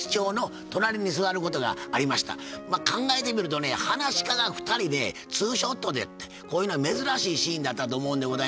考えてみるとねはなし家が２人でツーショットでってこういうのは珍しいシーンだったと思うんでございますがね。